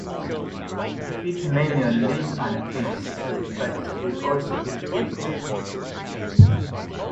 It feeds mainly on leaves and twigs, but will also eat fruit.